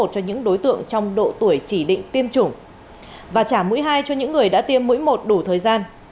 cho những đối tượng trong độ tuổi chỉ định tiêm chủng và trả mũi hai cho những người đã tiêm mũi một đủ thời gian